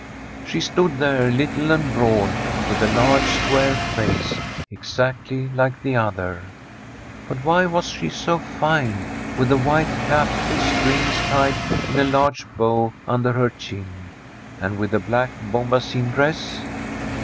She stood there, little and broad, with a large, square face, exactly like the other. But why was she so fine, with a white cap with strings tied in a large bow under her chin, and with a black bombazine dress?